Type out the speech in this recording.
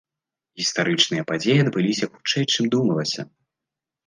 Гістарычныя падзеі адбыліся хутчэй чым думалася.